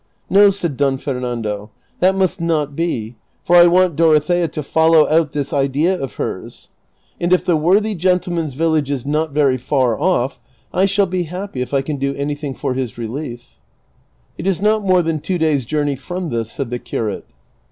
" No," said Don Fernando, " that must not be, for I want Dorothea to follow out this idea of hers ; and if the worthy gentleman's village is not very far off, I shall l)e happy if I can do anything for his relief." " It is not more than two days' journey from this," said the curate.